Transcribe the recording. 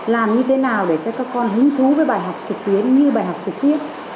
làm như thế nào để cho các con hứng thú với bài học trực tuyến như bài học trực tiếp